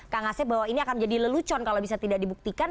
kang asep bahwa ini akan menjadi lelucon kalau bisa tidak dibuktikan